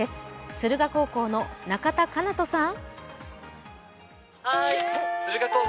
敦賀高校の中田哉音さん。